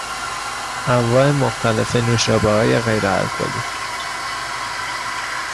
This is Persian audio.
انواع مختلف نوشابههای غیر الکلی